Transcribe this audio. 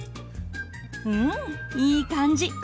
うんいい感じ。